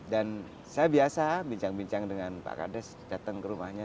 dan saya biasa bincang bincang dengan pak kardes datang ke rumahnya